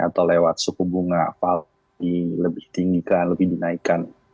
atau lewat suku bunga apalagi lebih dinaikkan